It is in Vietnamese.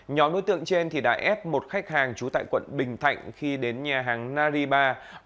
nhóm đối tượng trên đã ép một khách hàng trú tại quận bình thạnh khi đến nhà hàng nariba